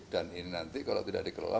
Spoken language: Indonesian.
dan ini nanti kalau tidak dikelola